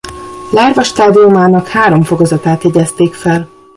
Lárva stádiumának három fokozatát jegyezték fel.